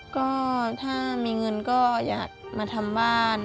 ก็ถ้ามีเงินก็อยากมาทำบ้าน